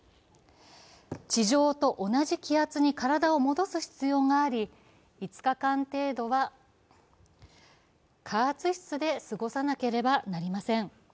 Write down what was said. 地上と同じ気圧に体を戻す必要があり５日間程度は加圧室で過ごさなければなりません。